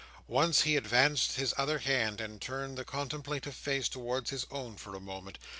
Once he advanced his other hand, and turned the contemplative face towards his own for a moment.